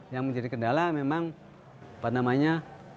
yang menjadi kendala memang apa namanya